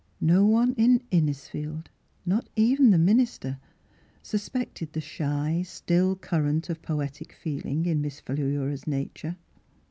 No one in^ Innisfield, not even the misister, suspected the shy, still current of poetic feeling in Miss Philura's nature.